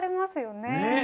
ねえ！